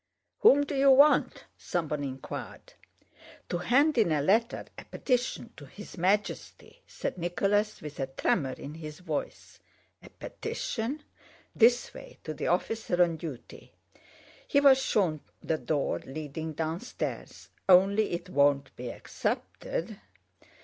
"Whom do you want?" someone inquired. "To hand in a letter, a petition, to His Majesty," said Nicholas, with a tremor in his voice. "A petition? This way, to the officer on duty" (he was shown the door leading downstairs), "only it won't be accepted."